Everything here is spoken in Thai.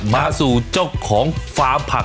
มาสู่เจ้าของฟ้าผัก